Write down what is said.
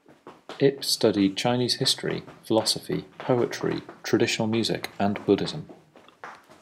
Ip studied Chinese history, philosophy, poetry, traditional music, and Buddhism.